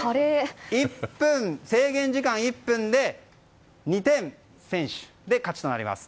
制限時間１分で２点先取で勝ちとなります。